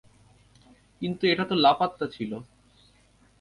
কিন্তু এটা তো লাপাত্তা ছিল!